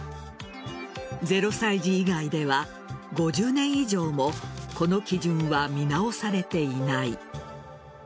０歳児以外では５０年以上もこの基準は見直されていない。